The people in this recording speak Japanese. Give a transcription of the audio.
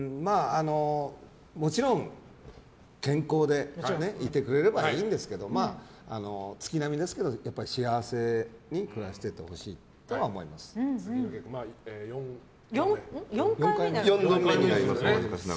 もちろん健康でいてくれればいいんですけど月並みですけど幸せに暮らしていってほしいとは次の結婚は４回目になると。